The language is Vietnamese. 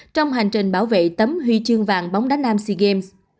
trong hành trình bảo vệ tấm huy chương vàng bóng đá nam sea games